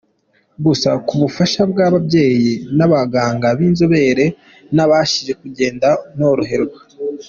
Gusa ku bufasha bw’ababyeyi n’abaganga b’inzobere nabashije kugenda noroherwa.